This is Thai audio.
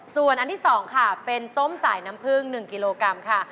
ส่วนอันที่๒ค่ะเป็นส้มสายน้ำผึ้ง๑กิโลกรัมค่ะ